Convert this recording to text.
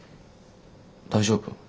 大丈夫？